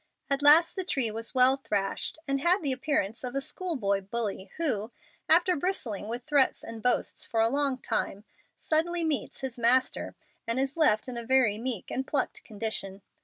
At last the tree was well thrashed, and bad the appearance of a school boy bully who, after bristling with threats and boasts for a long time, suddenly meets his master and is left in a very meek and plucked condition.